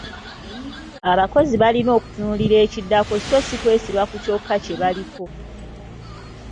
Abakozi balina okutunuulira ekiddako si kwesiba ku kyokka kye baliko.